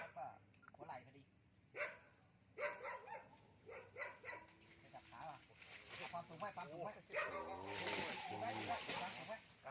เวลาที่สุดท้ายมันกลายเป็นเวลาที่สุดท้าย